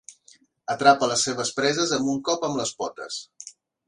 Atrapa les seves preses amb un cop amb les potes.